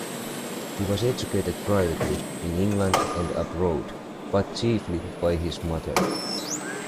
He was educated privately, in England and abroad but chiefly by his mother.